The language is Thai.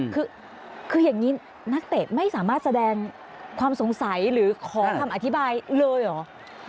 คืออย่างนี้นักเตะไม่สามารถแสดงความสงสัยหรือขอคำอธิบายเลยเหรอ